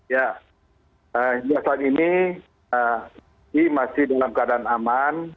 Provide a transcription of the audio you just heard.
ya ya saat ini ini masih dalam keadaan aman